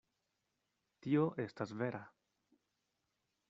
Tio estas vera.